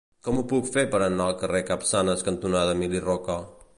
Com ho puc fer per anar al carrer Capçanes cantonada Emili Roca?